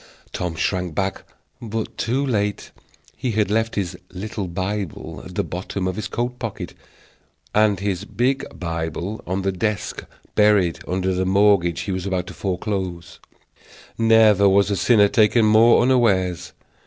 Tom shrank back, but too late. He had left his little Bible at the bottom of his coat pocket and his big Bible on the desk buried under the mortgage he was about to foreclose: never was sinner taken more unawares.